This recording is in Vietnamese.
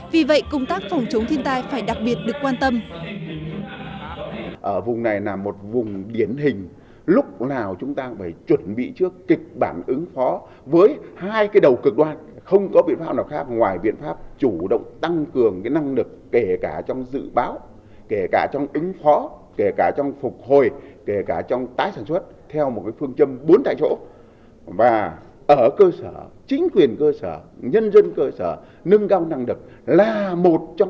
vì vậy công tác phòng chống thiên tai phải đặc biệt được quan tâm